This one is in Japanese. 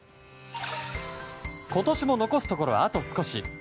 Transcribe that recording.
今年も残すところ、あと少し。